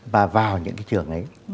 và vào những cái trường ấy